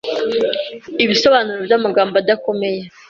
Ibisobanuro byamagambo adakomeye